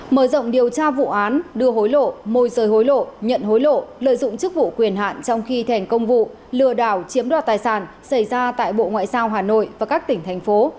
mở rộng điều tra vụ án đưa hối lộ môi rời hối lộ nhận hối lộ lợi dụng chức vụ quyền hạn trong khi thành công vụ lừa đảo chiếm đoạt tài sản xảy ra tại bộ ngoại giao hà nội và các tỉnh thành phố